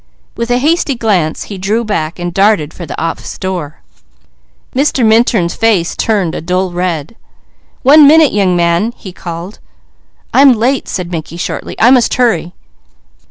With a hasty glance he drew back, and darted for the office door. Mr. Minturn's face turned a dull red. "One minute, young man!" he called. "I'm late," said Mickey shortly. "I must hurry."